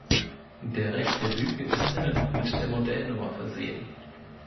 Der rechte Bügel ist innen mit der Modellnummer versehen.